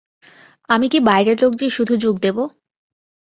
আমি কি বাইরের লোক যে শুধু যোগ দেব!